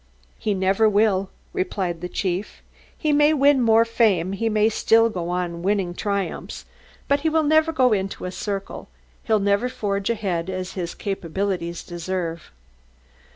"He never will," replied the Chief. "He may win more fame he may still go on winning triumphs, but he will go on in a circle; he'll never forge ahead as his capabilities deserve.